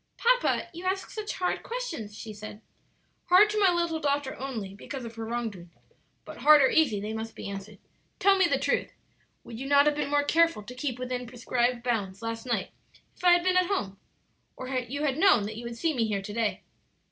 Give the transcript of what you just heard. "Papa, you ask such hard questions," she said. "Hard to my little daughter only because of her own wrong doing. But hard or easy, they must be answered. Tell me the truth, would you not have been more careful to keep within prescribed bounds last night if I had been at home, or you had known that you would see me here to day?"